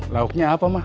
lauknya apa ma